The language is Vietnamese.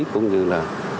cũng như là